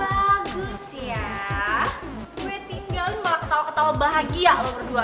oh bagus ya gue tinggalin malah ketawa ketawa bahagia lo berdua